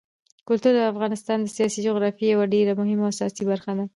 کلتور د افغانستان د سیاسي جغرافیې یوه ډېره مهمه او اساسي برخه ده.